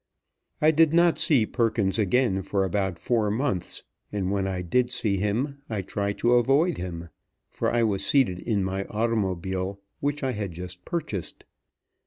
I did not see Perkins again for about four months, and when I did see him, I tried to avoid him; for I was seated in my automobile, which I had just purchased.